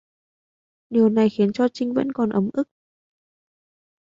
Điều này khiến cho Trinh vẫn còn ấm ức